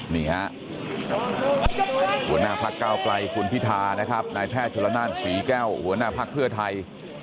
นี่ฮะหัวหน้าพักเก้าไกลคุณพิธานะครับนายแพทย์ชนละนานศรีแก้วหัวหน้าภักดิ์เพื่อไทย